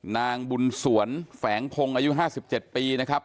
นางบุญสวรแฝงโพงอายุห้าสิบเจ็ดปีนะครับ